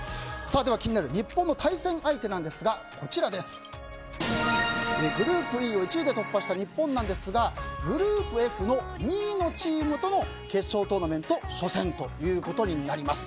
では、気になる日本の対戦相手ですがグループＥを１位で突破した日本ですがグループＦの２位のチームとの決勝トーナメント初戦となります。